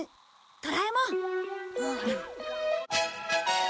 ドラえもん。